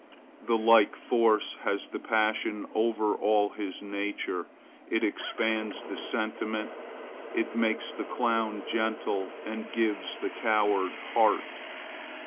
The like force has the passion over all his nature. It expands the sentiment; it makes the clown gentle and gives the coward heart.